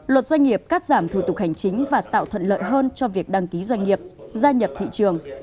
luật doanh nghiệp cắt giảm thủ tục hành chính và tạo thuận lợi hơn cho việc đăng ký doanh nghiệp gia nhập thị trường